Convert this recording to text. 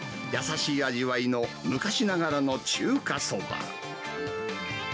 優しい味わいの昔ながらの中華そば。